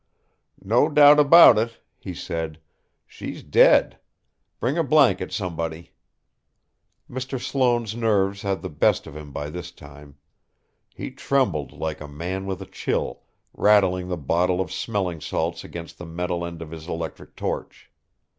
"No doubt about it," he said. "She's dead. Bring a blanket, somebody!" Mr. Sloane's nerves had the best of him by this time. He trembled like a man with a chill, rattling the bottle of smelling salts against the metal end of his electric torch.